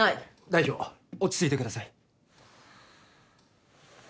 代表落ち着いてください。